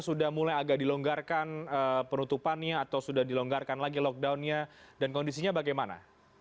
sudah mulai agak dilonggarkan penutupannya atau sudah dilonggarkan lagi lockdownnya dan kondisinya bagaimana